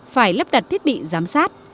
phải lắp đặt thiết bị giám sát